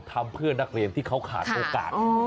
ทำเพื่อนักเรียนที่เขาขาดโอกาส